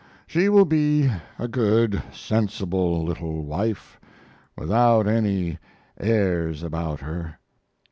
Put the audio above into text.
She will be a good, sensible little wife, without any airs about her.